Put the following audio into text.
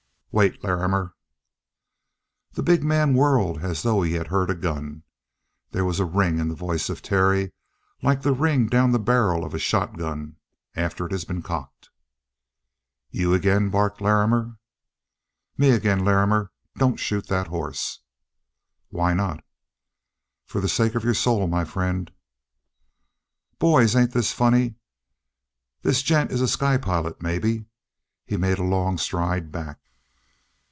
"Wait, Larrimer!" The big man whirled as though he had heard a gun; there was a ring in the voice of Terry like the ring down the barrel of a shotgun after it has been cocked. "You agin?" barked Larrimer. "Me again. Larrimer, don't shoot the horse." "Why not?" "For the sake of your soul, my friend." "Boys, ain't this funny? This gent is a sky pilot, maybe?" He made a long stride back.